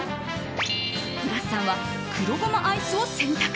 ブラスさんは黒ゴマアイスを選択。